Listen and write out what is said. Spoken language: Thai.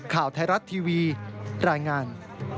ข่าวไทยรัฐทีวีรายงาน